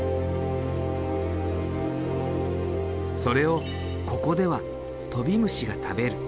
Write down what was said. それをここではトビムシが食べる。